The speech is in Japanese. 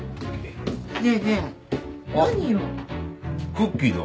クッキーだ。